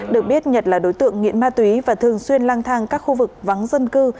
được biết nhật là đối tượng nghiện ma túy và thường xuyên lang thang các khu vực vắng dân cư